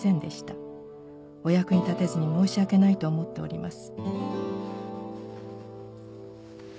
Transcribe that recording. お役に立てずに申し訳ないと思っております」